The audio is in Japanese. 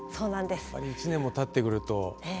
やっぱり１年もたってくると。